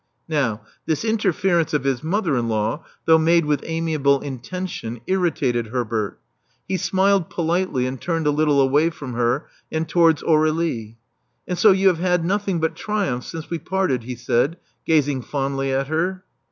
Now, this interference of his mother in law, though made with amiable intention, irritated Herbert. He smiled politely, and turned a little away from her and towards Aurdlie. And so you have had nothing but triumphs since we parted," he said, gazing fondly at her.